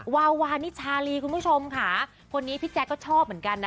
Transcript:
วาวานิชาลีคุณผู้ชมค่ะคนนี้พี่แจ๊คก็ชอบเหมือนกันนะ